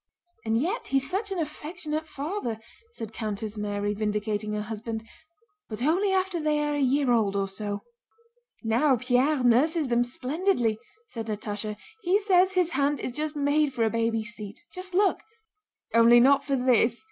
"And yet he's such an affectionate father," said Countess Mary, vindicating her husband, "but only after they are a year old or so..." "Now, Pierre nurses them splendidly," said Natásha. "He says his hand is just made for a baby's seat. Just look!" "Only not for this..."